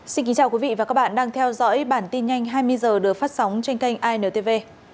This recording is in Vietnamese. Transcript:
xin kính chào quý vị và các bạn đang theo dõi bản tin nhanh hai mươi h được phát sóng trên kênh intv